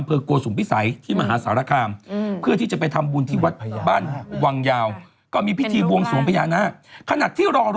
อัพเดรกและปลอดภัยต้องเข้าใจใคร